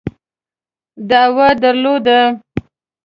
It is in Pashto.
دعوه درلوده.